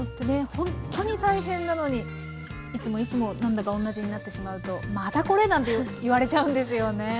ほんっとに大変なのにいつもいつも何だかおんなじになってしまうとまたこれ？なんて言われちゃうんですよね。